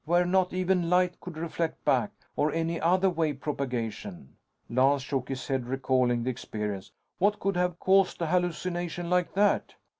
Where not even light could reflect back, or any other wave propagation." Lance shook his head, recalling the experience. "What could have caused a hallucination like that?"